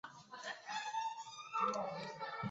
本鱼分布于夏威夷群岛。